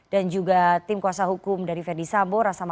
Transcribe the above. dan juga tim kuasa perusahaan